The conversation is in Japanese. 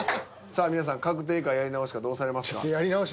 さあ皆さん確定かやり直しかどうされますか？